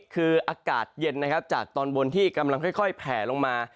คืออากาศเย็นนะครับจากตอนบนที่กำลังค่อยแผลลงมา